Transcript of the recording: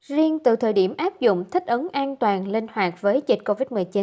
riêng từ thời điểm áp dụng thích ứng an toàn linh hoạt với dịch covid một mươi chín